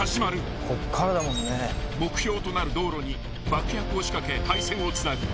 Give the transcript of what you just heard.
［目標となる道路に爆薬を仕掛け配線をつなぐ］